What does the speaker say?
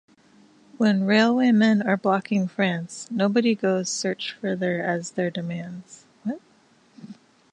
When railwaymen are blocking France, nobody goes search further as their demands.